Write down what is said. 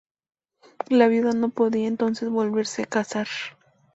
La viuda no podía entonces volverse a casar.